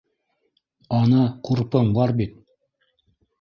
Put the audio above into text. Ана, ҡурпың бар бит!